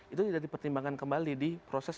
itu tidak dipertimbangkan kembali di proses